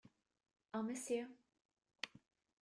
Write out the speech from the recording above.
I’ll miss you.